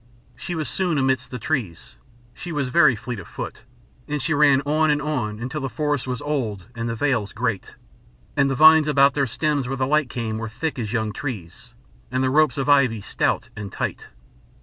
She was soon amidst the trees she was very fleet of foot, and she ran on and on until the forest was old and the vales great, and the vines about their stems where the light came were thick as young trees, and the ropes of ivy stout and tight.